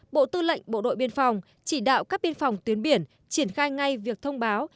bộ tư lệnh bộ đội biên phòng chỉ đạo các biên phòng tuyến biển triển khai ngay việc thông báo